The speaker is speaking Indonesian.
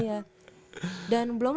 iya dan belum